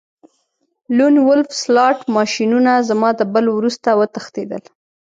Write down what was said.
لون وولف سلاټ ماشینونه زما د بل وروسته وتښتیدل